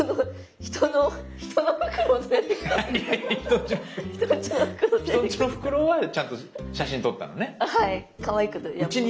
人んちのフクロウはちゃんと写真撮ったのね。